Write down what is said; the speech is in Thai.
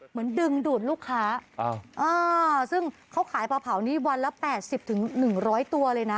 เหมือนดึงดูดลูกค้าอ้าวอ้าวซึ่งเขาขายปาเผานี่วันละแปดสิบถึงหนึ่งร้อยตัวเลยน่ะ